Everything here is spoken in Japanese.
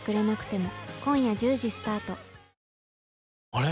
あれ？